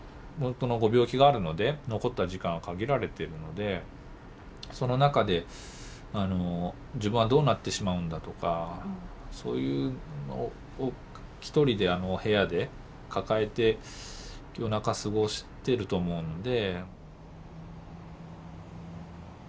ご病気があるので残った時間は限られてるのでその中で自分はどうなってしまうんだとかそういうのをひとりで部屋で抱えて夜中過ごしてると思うので。